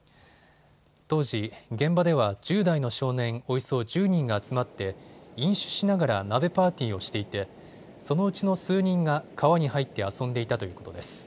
当時、現場では１０代の少年およそ１０人が集まって飲酒しながら鍋パーティーをしていてそのうちの数人が川に入って遊んでいたということです。